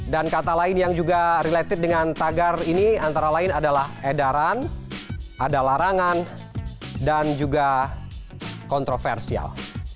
dan kata lain yang juga related dengan tagar ini antara lain adalah edaran ada larangan dan juga kontroversial